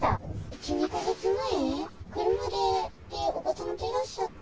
１、２か月前、車でお子さんといらっしゃった。